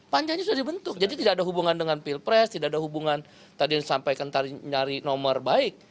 panjanya sudah dibentuk jadi tidak ada hubungan dengan pilpres tidak ada hubungan tadi yang sampai mencari nomor baik